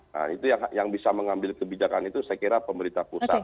nah itu yang bisa mengambil kebijakan itu saya kira pemerintah pusat